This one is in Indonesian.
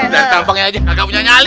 dan tampangnya aja kagak punya nyali